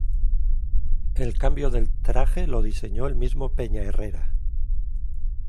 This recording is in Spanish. El cambio del traje lo diseñó el mismo Peñaherrera.